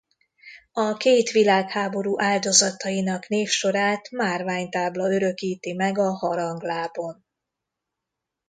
A két világháború áldozatainak névsorát márványtábla örökíti meg a haranglábon.